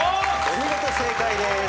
お見事正解です。